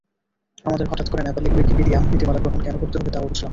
আমাদের হঠাৎ করে নেপালি উইকিপিডিয়া নীতিমালা গ্রহন কেন করতে হবে তাও বুঝলাম না।